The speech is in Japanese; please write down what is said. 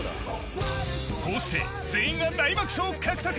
こうして全員が大爆笑獲得！